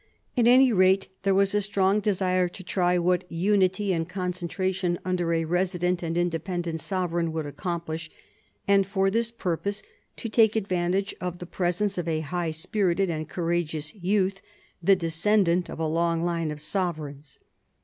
At any rate there was a strong desire to try what unity and concen tration under a resident and independent sovereign would accomplish, and for this purpose to take ad vantage of the presence of a high spirited and courageous youth, the descendant of a long line of sovereigns.